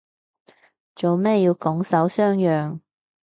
做咩要拱手相讓